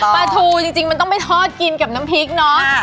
ปลาทูจริงมันต้องไปทอดกินกับน้ำพริกเนาะ